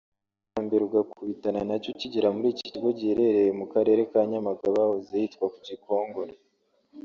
Ikintu cya mbere ukubitana nacyo ukigera muri iki kigo giherereye mu Karere ka Nyamagabe ahahoze hitwa ku Gikongoro